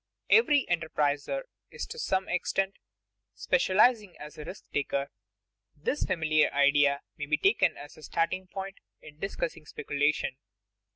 Every enterpriser is to some extent specializing as a risk taker. This familiar idea may be taken as a starting point in discussing speculation.